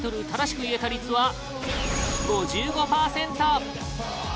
正しく言えた率は５５％